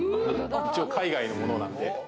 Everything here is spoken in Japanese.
一応、海外のものなんで。